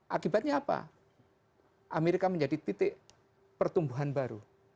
akibatnya apa amerika menjadi titik pertumbuhan baru